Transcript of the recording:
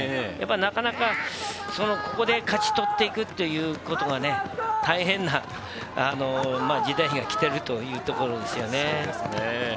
なかなか、ここで勝ち取っていくということが大変な時代が来ているなというところですよね。